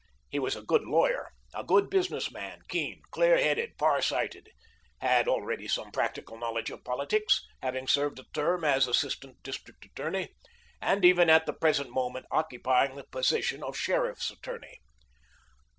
He was a good lawyer, a good business man, keen, clear headed, far sighted, had already some practical knowledge of politics, having served a term as assistant district attorney, and even at the present moment occupying the position of sheriff's attorney.